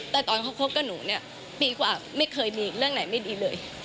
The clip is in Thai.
แต่ตอนเขาคบกับหนูเนี่ยปีกว่าไม่เคยมีเรื่องไหนไม่ดีเลย